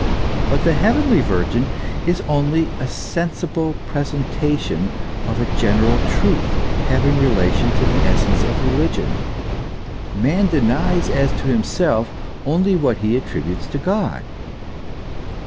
But the heavenly virgin is only a sensible presentation of a general truth, having relation to the essence of religion. Man denies as to himself only what he attributes to God.